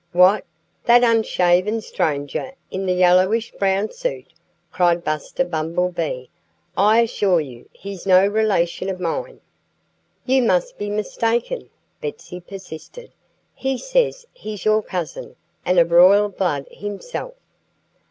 "What! That unshaven stranger in the yellowish brown suit?" cried Buster Bumblebee. "I assure you he's no relation of mine." "You must be mistaken," Betsy persisted. "He says he's your cousin, and of royal blood himself."